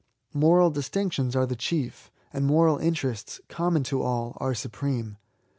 Moral distinctions are the chief; and moral interests, common to all, are supreme.